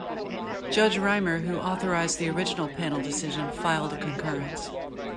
Judge Rymer, who authored the original panel decision, filed a concurrence.